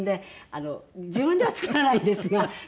自分では作らないんですが摘んで。